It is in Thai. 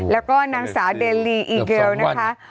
แล้วก็นางสาวเดลีอีเกลนะคะ